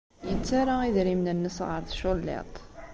Yettarra idrimen-nnes ɣer tculliḍt.